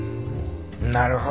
なるほど。